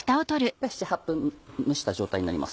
７８分蒸した状態になります